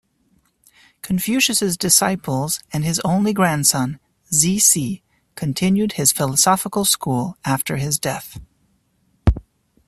Confucius's disciples and his only grandson, Zisi, continued his philosophical school after his death.